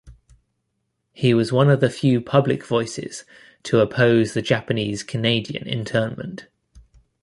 He was one of the few public voices to oppose the Japanese Canadian internment.